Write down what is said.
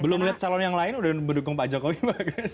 belum lihat calon yang lain sudah mendukung pak jokowi mbak grace